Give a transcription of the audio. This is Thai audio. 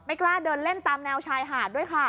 กล้าเดินเล่นตามแนวชายหาดด้วยค่ะ